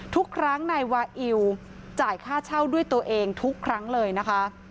ทุกครั้งนายวาอิวจ่ายค่าเช่าด้วยตัวเองทุกครั้งเลยนะคะ